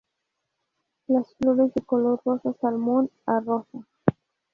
Las flores de color rosa salmón a rosa.